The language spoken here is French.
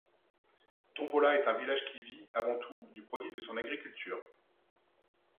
Tombola est un village qui vit, avant tout, du produit de son agriculture.